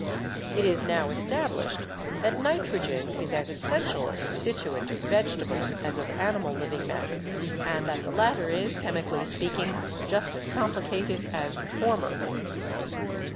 It is now established that nitrogen is as essential a constituent of vegetable as of animal living matter and that the latter is, chemically speaking, just as complicated as the former.